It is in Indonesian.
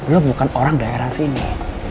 lo bukan orang daerah sini